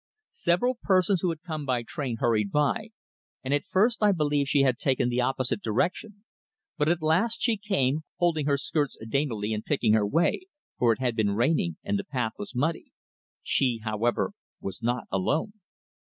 Several persons who had come by train hurried by, and at first I believed she had taken the opposite direction. But at last she came, holding her skirts daintily and picking her way, for it had been raining and the path was muddy. She, however, was not alone.